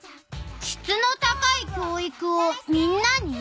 「しつの高い教育をみんなに」？